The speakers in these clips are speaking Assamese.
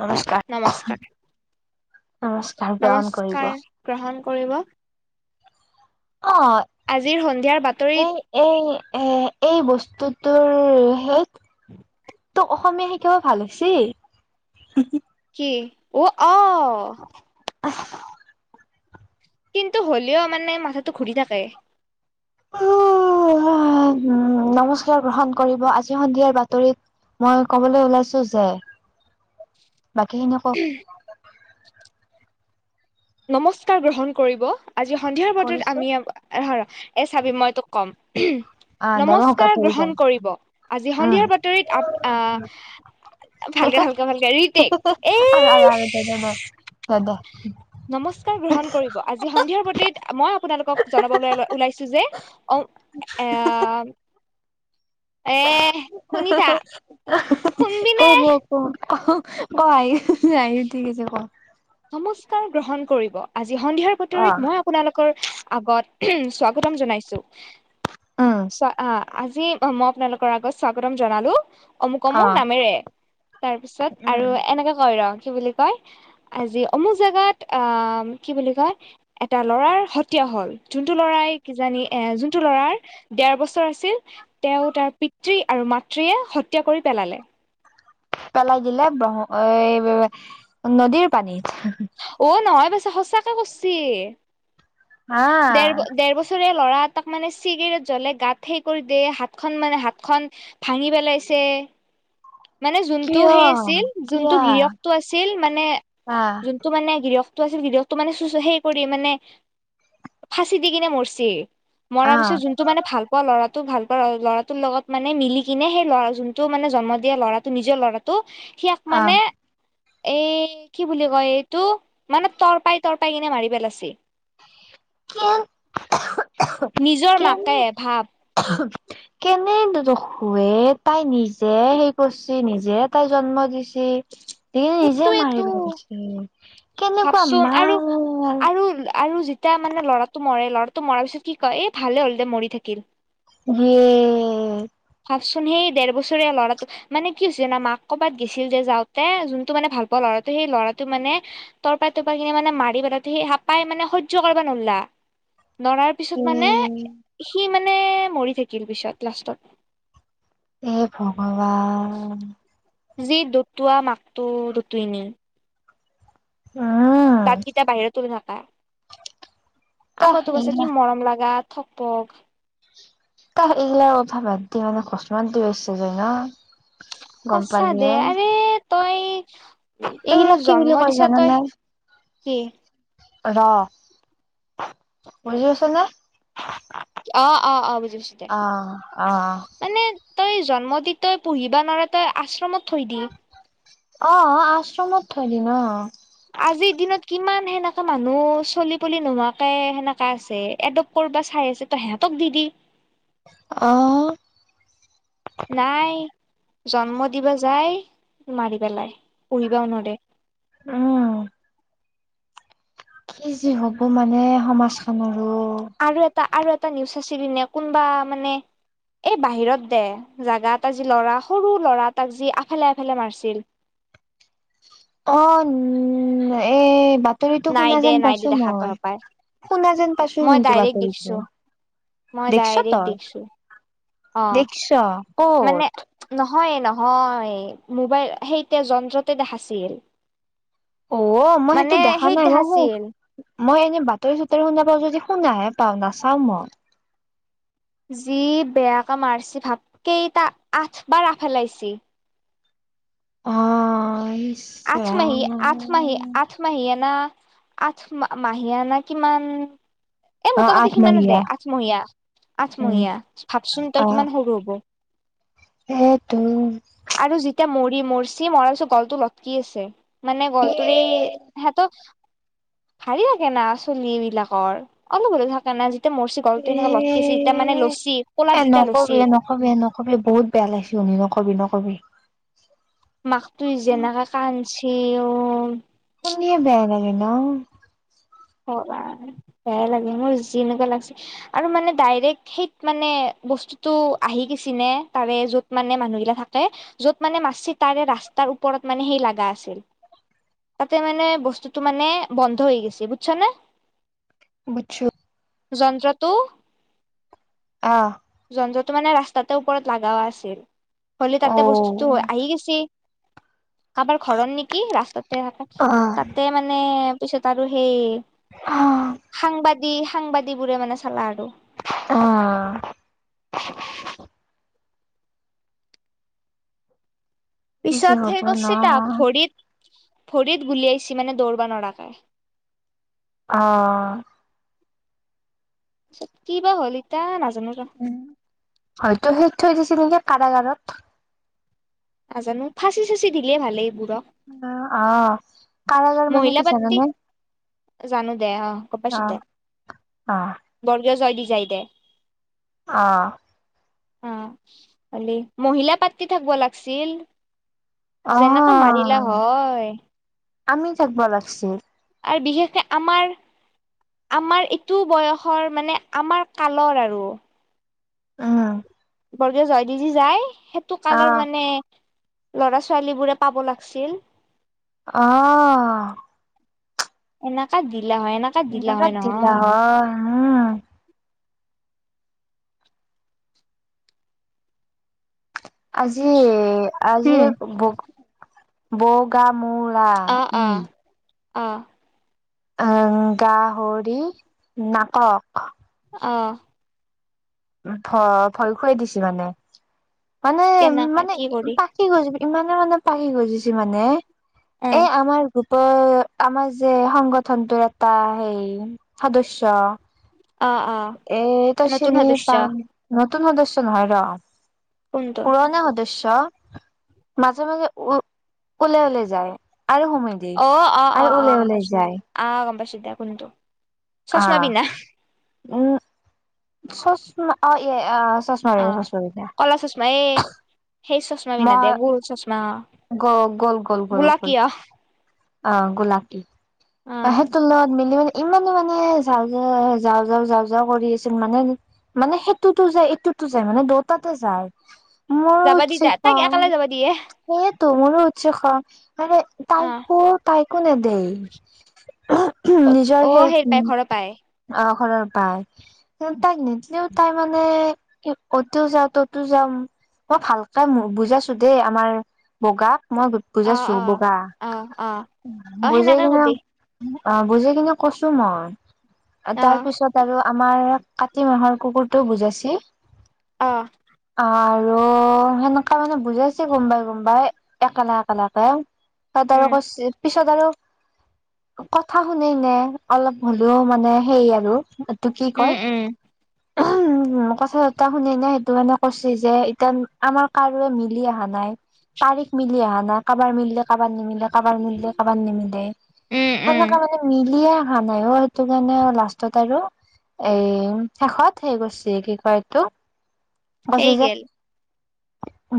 নমস্কাৰ। নমস্কাৰ নমস্কাৰ গ্ৰহণ কৰিব। নমস্কাৰ গ্ৰহণ কৰিব অহ আজিৰ সন্ধিয়াৰ বাতৰিত এই এই এই এই বস্তু তোৰ তোৰ সেই তোক অসমীয়া শিকিব ভাল হৈছি কি অ অহ অহ আ [unintelligible] কিন্তু হ'লেও মানে মাথাটো ঘূৰি থাকে। অহ', মা ', নমস্কাৰ গ্ৰহণ কৰিব আজি সন্ধিয়াৰ বাতৰিত মই কবলৈ ওলাইছো যে। বাকী এনে ক। নমস্কাৰ গ্ৰহণ কৰিব। আজি সন্ধিয়াৰ বতৰত কৰিছো আমিৰ। এ চাবি মই তোক কম। আহ দে মই শুকাত নমস্কাৰ ধৰি যাম গ্ৰহণ কৰিব আজি উম সন্ধিয়াৰ বাতৰিত আ', আহ', ভালকে - ভালকে - ভালকে ৰিটেক এ আৰু আৰু আৰু দে দে দে দে দে নমস্কাৰ গ্ৰহণ কৰিব আজিৰ সন্ধিয়াৰ বাতৰিত মই আপোনালোকক জনাব ওলাইছো যে অহ ', এ এ শুনি থা শুনবিনে? ক আয় যাইও ঠিক আছে ক। নমস্কাৰ গ্ৰহণ কৰিব আজি আজি সন্ধিয়াৰ অ' বাতৰিত মই আপোনালোকৰ আগত স্বাগতম জনাইছো। উম চ অহ ', আজি মই আপোনালোকৰ আগত স্বাগতম জনালো। অমুক -অমুক অ' নামেৰে তাৰ পিছত উম। আৰু এনেকে কয় ৰ। কি বুলি কয়। আজি অমুক জোগাত আহ', কি বুলি কয় এটা লৰাৰ হত্যা হল যোনটো লৰাই কিজানি এ যোনটো লৰাৰ দেৰ বছৰ আছিল তেওঁ তাৰ পিতৃ আৰু মাতৃয়ে হত্যা কৰি পেলালে। পেলাই দিলে ব্ৰহ নদীৰ পানীত। অহ ', নহয় ব সঁচাকে কচ্ছি। দেৰ- দেৰ বছদিয়া। ল'ৰা এ তাক মানে চিগাৰেট জ্বলে গাত সেই কৰি দিয় হাতখন মানে হাতখন ভাঙি পেলাইছে। মানে যোনটো সেই আছিল যোনটো গিৰকটো আছিল মানে। গিৰিয়সটো আছিল গিৰিহকটো মানে চ সেই কৰি মানে ফাচি দি কিনে মৰছেি। মৰা পিছত যোনটো মানে ভাল পোৱা ল'ৰা। ভাল পোৱা ল'ৰাটোৰ লগত মানে মিলি কিনে সেই লৰা যোনটো মানে জন্ম দিয়া ল'ৰাটো নিজৰ ল'ৰাটো সিয়াক মানে এ কি বুলি কয় এই। তো মানে তৰ পাই- তৰ পাই কিনে মাৰি পেলাইচি। কে - নিজৰ [unintelligible] মাকে কি ভাব কেনে ৰখুৱে তাই নিজে হেৰি কৰিছে নিজে তাই জন্ম দিছ দ নিজে মাৰি সেইটোৱেতো পেলচ কেনেকুৱা ভাবচোন মা আৰু আৰু আৰু যেতিয়া মানে ল'ৰাটো মৰে লৰাটো মৰাৰ পিছত কি কয় এই ভালে হ'ল দে মৰি থাকিল যিয়ে ভাবচোন সেই দেেৰ বছৰীয়া ল'ৰাটো মানে কি হৈছে মাক কৰ'বাত গেছিল যে যাওঁতে যোনটো মানে ভাল পোৱা ল'ৰাটো সেই ল'ৰাটো মানে তৰপাই তৰপাই কিনে মানে মাৰি পেলা সেই সাপাই মানে সহ্য় কৰিবা নোলা নৰাৰ পিছত মানে ইয়ে সি মানে ানে মৰি থাকিল পিছত লাষ্টত এইব অা যি দুতুৱা মাকটো দুটই ন উম দাঁতকেইটা বাহিৰ তুলি নাপায় তাহ আকৌ ত কছে এইগিলা কি মৰম লগাগাত থপক ত এইগিলা অ ভ বাদ দি মানে খচ মাত দি বছে য ন গম সঁচা পালি দে এ আৰে তই তোৰ এইগিলাক কি বুলি জন্ম কয় দিছা জানানে তই কি ৰ বুজি আছ নে অ অ অ বুজিছো দে অ', অ', মানে তই জন্ম দি তই পুহিবা নোৱাৰ তই আশ্ৰমত থৈ দিল অ আশ্ৰমত থৈ দি ন আজিৰ দিনত কিমান সেনেকা মানুহ চলি পুলি নোহোৱাকে সেনেকা আছে এডপট কৰিব চাই আছে ত সিহঁতক দি দি আহ নাই জন্ম দিবা যায় মাৰি পেলাই পঢ়িবাও নদ উম কি যি হ'ব মানে সমাজ খনৰ আৰু এটা আৰু এটা এটা নিউজ আছিল ন কোনোবা মানে এই বাহিৰত দে জোগাত আজি ল'ৰা সৰু ল'ৰা তাক যি আফালে আফালে মাৰিছিল অ উম এই বাতৰিটো নাই শুনা দে যেন নাই দে পাইছো দেখা মই তৰপাই শুনা যেন পাইছো মই কিন্তু ডাইৰেক্ট দেখছো বাতৰিটো মই দেখিছ ডাইৰেক্ট তই দেখছো অ দেখছ মানে ক'ত নহয় নহয় মোবাইল সেইতিয়া যন্ত্ৰতে দেখাছিল অ মই সেইটো মানে দেখা সেইত নাই ম শো দেখাছিল মই এনে বাতৰি চাতৰি শুনা পাও যদি শুনাহে পাওঁ নাচাও মই যি বেয়াকে মাৰছি ভাপ কেইটা আঠ বাৰ আফেলাইছি অ এই আঠ মাহি, আঠ মাহি, আঠ মাহিয়া না, আঠ মাহিয়া না কিমান, এ অ', 'মোটামুটি সিমানে দে আঠমহীয়া আঠমহীয়া- উম, আঠমহীয়া ভাবচোন তই কিমান সৰু হব? সেয়েটো। আৰু যেতিয়া মৰি, মৰচি মৰাছো গলটো লটকি আছে। মানে গলটোৰেই এ হে, ভাৰি থাকে না চলি বিলাকৰ অলপ হলেও থাকে না, যেতিয়া মৰচি গলটো এনেকে এ', লটকি আছে যেতিয়া মানে লচি ক'লাত - এ ', যেতিয়া লচি নকবি -নকবি এ ', নকবি বহুত বেয়া লাগিছে শুনি নকবি- নকবি। নকবি। মাকতুই জেনেকা কান্দচি। যিও, শুনিয়ে বেয়া লাগে ন',? কবা আৰ বেয়া লাগে মোৰ যিনেকুৱা লাগছে আৰু মানে ডাইৰেক্ট সেইত মানে বস্তুতটো আহি গেচি নে তাৰে য'ত মানে মানুহগিলা থাকে, য'ত মানে মাৰচি তাৰে ৰাস্তাৰ ওপৰত মানে সেই লাগা আছিল, তাতে মানে বস্তুটো মানে বন্ধ হৈ গেছি, বুজচনে? বুুজচো। যন্ত্ৰটো, অহ, যন্ত্ৰটো মানে ৰাস্তাতে ওপৰত লাগাও আছিল। হ'লি অ তাতে বস্তুটো আহি গেচি। কাবাৰ ঘৰৰ নেকি ৰাস্তাতে থাকে, আহ তাতে মানে ত' পিছত আৰু সেই সাংবাদিক, যদি সাংবাদী বোৰে মানে চালা আৰু, অহ, কি যে পিছত হ'ব সেই ন কৰচি তাক ভৰিত, ভৰিত গুলিয়াইছি মানে দৌৰব ন়ৰাকে। অহ, তাৰপিছত কিবা হ'ল ইতা নাজ, উম, হয়তো সেই, থৈ দিছে নেকি কাৰাগাৰত। নাজানো ফাঁচি -চাচি দিলে ভালেই, অহ, কাৰাগৰ মানে মহিলা কি পাৰ্টি জানানে জানো দে অ গম পাইছো দে আহ - আহ, বৰ্গীয় জয় দি যাই দে, আহ, অ ', হলি মহিলা পাৰ্টি থাকব লাগিছিল। অহ, 'আমি থাকব লাগছিল। সে আমাৰ -আমাৰ এইটো বয়সৰ মানে আমাৰ কালৰ আৰু, উহ, বৰগে জয়দেজি যায় সেইটো অ কালৰ মানে ল'ৰা ছোৱালীবোৰে পাব লাগিছিল আহ এনেুৱাত দি ন দিল হ উম আজি আজি উম বোগা মূলা অ উ অ অ আহ গাহৰি নাটক অঁ ভ ভয় খুৱাই দিছে মানে মানে কেনেকা মানে কি কৰি পখি গৈছ ই মানে মানে পখি গুজিছে মানে এ উম আমাৰ আমাৰ যে সংগঠনটোৰ এটা হেই সদস্য় অ অ এ ত চ নতুন নি প সদস্য অ নতুন সদস্য নহয় ৰ কোনটো পুৰণ সদস্য মাজে মাজে উ ওলে ওলে যায় আৰু সোমাই দিয়ে অ অ অ আৰু অ ওলাই গম ওলাই পাতি যায় অ গম পা শতি দে কোনটোো চচ্মা আহ বিনা উম চ এ আহ অ কলা চুষম হে সেই চশমা বিিন্ধ মই দেিয় গোল চশমা আহ গ গ'ল গ'ল গ'ল গোলা ক গ'ল আহ অ গোলাকী বতল মিলি মে ইমানো মানে যাওঁ যা যাওঁ যাওঁ যাওঁ যাওঁ কৰি আছিল মানে মানে সেইটোতো যায় এইটোতো যায় মানে দেটাাতে যায় মোৰো যাবা দ তা তাক একালে যাবা দিয় হে তোমোৰো উৎচ খ মানে অ তাইকো তাইকো নেদেই অ নিজৰ সেই পাই ঘৰৰ পাই অ ঘৰৰ পাই কি তাইক নিদিলেও তাই মানে অ'টোও যাও ততো যাাম মই ভালকে বুজাইছো দেই আমাৰ বগা মই অ বুজাইছো অ বগা অ অ অ বুজাই সেনেকে কিনে কবি অ বুজাই কিনে কৈছো মই অ তাৰ পিছত আৰু আমাৰ কাতি মাহৰ কুকুৰটোও বুজাইছে অ আৰু আৰু সেনেককাা মানে বুজাইছে গমবাই গমবাই একেলে একেলকে ত তাৰ উম কি ত আৰু কথা শুনে নে অলপ হ মানে সেই আৰু তোক কি উম কয় উম উম কথা এটা শুন ন সেইটো মানে কৈছে যে এতিয়া আমাৰ কাৰোে মিলি অহা নাই তাৰিখ মিলি অহা নাই কাৰোবাৰ মিলে কাৰোবাৰ নিমিলে কাৰোবাৰ মিলে কাৰোবাৰ নিমিলে উম উম সেনেককাে মানে মিলিয়ে হা নাই টো কাৰণে লাষ্টত আৰু এ শেষত হে গৈছে কি কয় এইটো সেই গেল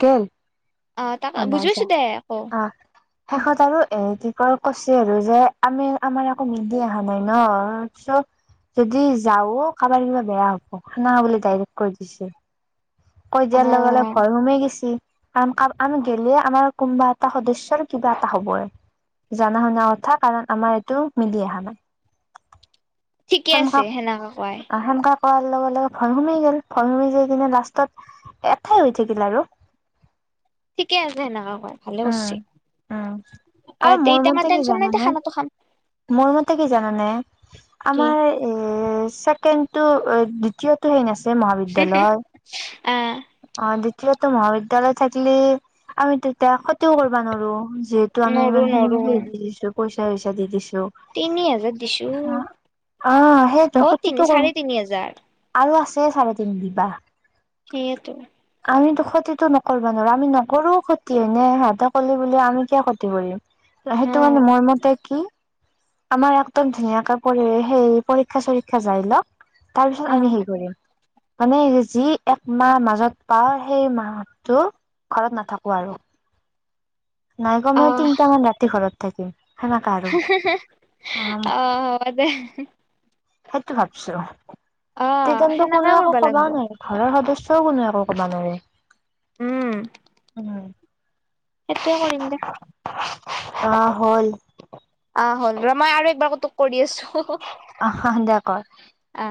গল অ তাক বুজাইছো দে আকৌ শেষত আৰু এ কি ক কৈছে আৰু যে আমি আমাৰ আৌ মিলি অহা নাই ন চ যদি যাও কাৰোবাৰ কিবা বেয়া হব খানা বুলি ডাইৰেক্ কৈ দিছে কই অ যিয়াৰ লগে ভয় হমে গৈছিলি আ আমি গলে আমাৰ কোনোবা এটা সদস্য় আৰু কিবা এটা হবই জাননা শুনা কথা কাৰণ আমাৰ এইটো মিলি অহা নাই ঠিকে আছে, সেনেকা কোৱাই। কোৱালগে, লগে ভয় সোমাই গেল, ভয় সোমাই যায় কিনে লাষ্টত, একেই হৈ থাকিল আৰু। ঠিকে আছে, সেনেকে কোৱাই। ভালে উম কৰচি, উম আৰু তে মোৰ এতিয়া মতে আমাৰ টেনচন নাই, দে খানাটো খাম। তে কি জানে নে? কি আমাৰ এ ছেকেণ্ডটো, দ্বিতীয়টো হেই নাছিল। মহাবিদ্যালয়, আহ অ দীয়টো মহাবিদ্যালয় থাকিলে, আমিটো এতিয়া ক্ষতিও কৰবা নোৱাৰো। যিহেতু আমি, নৰো ইমান খিনি নৰো মেহটি দিছো। পইচা, চইচা দি, দিছি। তিনি হাজাৰ দিছো হা, আ, অ তিনি ক্ষতিটো গল, চাৰে তিনি হাজাৰ আৰু আছে। চাৰে তিন দিবা। সেইেতো। আমিতো ক্ষতিতটো কৰিব নোৱাৰো, আমি নকৰোও ক্ষতি। এনে, সিহঁতে কৰলি বুলি, আমি কিয় ক্ষতি কৰিম। অ সেইটো কাৰানে, মোৰ মতে কি আমাৰ একদম ধুনীয়াকে, পৰি সেই পৰীক্ষা, চৰীক্ষা যাই লক। তাৰপিছত, অ আমি হেই কৰিম। মানে যি, এক মাহ মাজত পাওঁ, সেই মাহতটো ঘৰত নাথাকো। নোৱাৰো। নাই, অ কমে তিনিটা, মান ৰাতি ঘৰত। তাকে অ, হব দে। সেইটো ভাবছো। অ তেতিয়ানটো, সেনেকে কোনো একো কৰবা লাগব কবাও নোৱাৰে, ঘৰৰ সদস্য। তাতেও কোনেও, একো কব নৰে। উম। সেইটোৱে কৰিম দে। অ, হ'ল। অ, হ'ল ৰ, মই আৰু একবাৰ তোক কৰি, আছো। অ, দে কৰ। আ